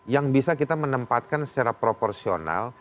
yang bisa kita menempatkan secara proporsional